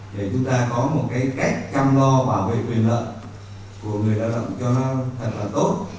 để chúng ta có một cái cách chăm lo bảo vệ quyền lợi của người lao động cho nó thật là tốt